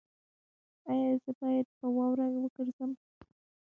ایا زه باید په واوره وګرځم؟